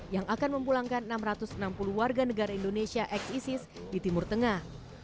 yang akan memulangkan enam ratus enam puluh warga negara indonesia ex isis di timur tengah